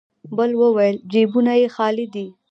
بل وويل: جيبونه يې خالي دی.